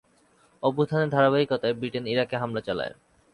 অভ্যুত্থানের ধারাবাহিকতায় ব্রিটেন ইরাকে হামলা চালায়।